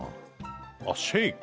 あっシェイク？